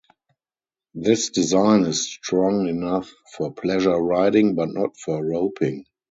This design is strong enough for pleasure riding but not for roping.